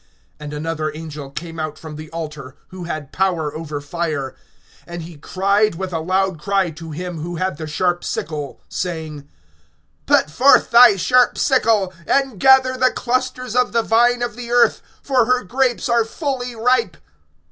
(18)And another angel came out from the altar, who had power over fire; and he cried with a loud cry to him who had the sharp sickle, saying: Put forth thy sharp sickle, and gather the clusters of the vine of the earth; for her grapes are fully ripe.